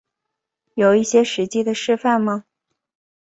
有一些实际的示范吗